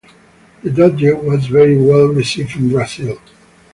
The Dodge was very well received in Brazil.